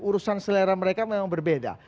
urusan selera mereka memang berbeda